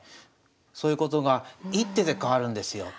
そういうことが一手で変わるんですよ。